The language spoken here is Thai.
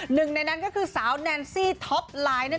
หนึ่งในนั้นก็คือสาวแนนซี่ท็อปไลน์นั่นเอง